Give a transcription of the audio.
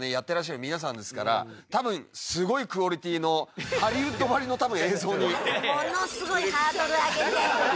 てらっしゃる皆さんですから多分すごいクオリティーのハリウッドばりの映像に。